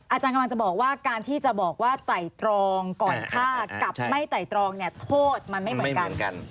อาจารย์กำลังจะบอกว่าการที่จะบอกว่าไต่ตรองก่อนฆ่ากับไม่ไต่ตรองเนี่ยโทษมันไม่เหมือนกัน